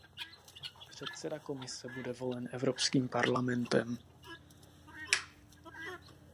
Předseda Komise bude volen Evropským parlamentem.